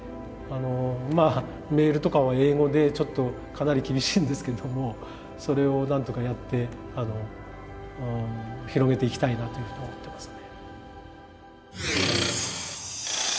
まあメールとかは英語でちょっとかなり厳しいんですけれどもそれをなんとかやって広げていきたいなというふうに思ってますね。